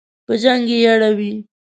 په جنګ یې اړوي.